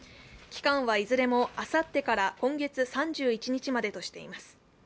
期間はいずれもあさってから今月３１日までとしています。